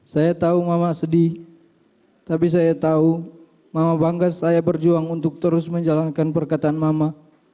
saya tahu mama sedih tapi saya tahu mama bangga saya berjuang untuk terus menjalankan perkataan mama